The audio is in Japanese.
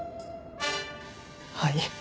はい。